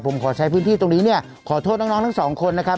ผมขอใช้พื้นที่ตรงนี้เนี่ยขอโทษน้องทั้งสองคนนะครับ